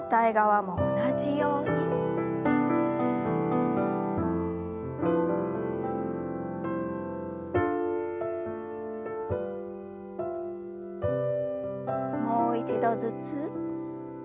もう一度ずつ。